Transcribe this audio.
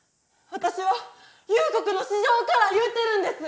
私は憂国の至情から言うてるんです！